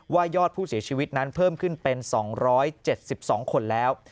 ยอดผู้เสียชีวิตนั้นเพิ่มขึ้นเป็น๒๗๒คนแล้ว